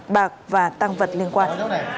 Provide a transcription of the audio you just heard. bạc và tăng vật liên quan